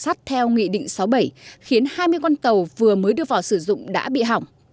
tàu hỏng sát theo nghị định sáu bảy khiến hai mươi con tàu vừa mới đưa vào sử dụng đã bị hỏng